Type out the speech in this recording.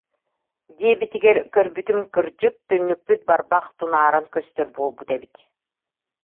диэбитигэр көрбү- түм, кырдьык, түннүкпүт барбах тунааран көстөр буолбут эбит